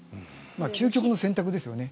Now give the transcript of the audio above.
究極の選択ですよね。